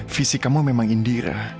visi kamu memang indira